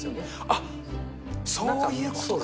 あっ、そういうことか。